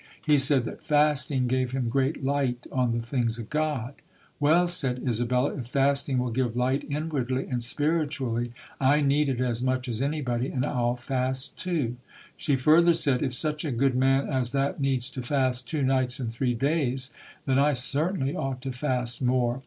He said that fasting gave him great light on the things of God. "Well", said Isabella, "if fasting will give light inwardly and spiritually, I need it as much as anybody, and I'll fast too". She further said, "If such a good man as that needs to fast two nights and three days, then I certainly ought to fast more.